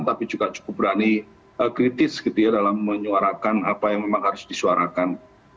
tapi juga cukup berani kritis gitu ya dalam menyuarakan apa yang memang harus disuarakan